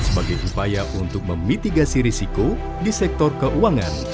sebagai upaya untuk memitigasi risiko di sektor keuangan